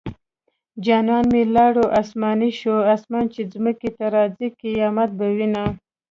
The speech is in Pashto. جانان مې لاړو اسماني شو اسمان چې ځمکې ته راځي قيامت به وينه